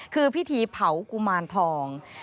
คือพิธีเผากุมารทอง